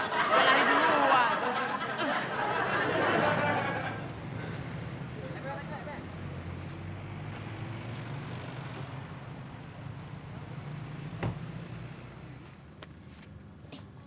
kita lari dulu waduh